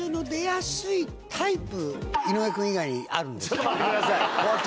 ちょっと待ってください校長！